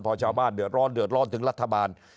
พอชาวบ้านเดือดร้อนเดือดร้อนถึงรัฐบาล